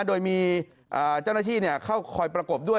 โดยมีเจ้าหน้าที่เข้าคอยประกบด้วย